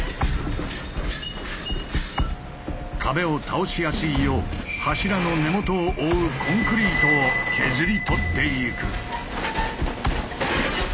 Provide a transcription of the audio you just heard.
壁を倒しやすいよう柱の根元を覆うコンクリートを削り取っていく。